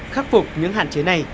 khắc phục những hạn chế này